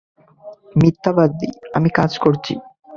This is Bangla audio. মিথ্যাবাদী, - আমি কাজ করছি।